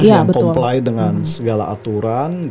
yang comply dengan segala aturan